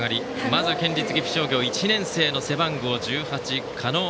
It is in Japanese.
まず、県立岐阜商業１年生の背番号１８、加納。